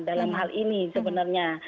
dalam hal ini sebenarnya